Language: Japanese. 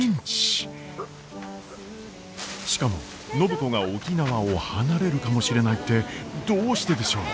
しかも暢子が沖縄を離れるかもしれないってどうしてでしょう？